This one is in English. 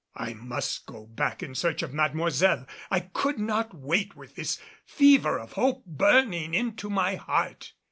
I must go back in search of Mademoiselle. I could not wait with this fever of hope burning into my heart.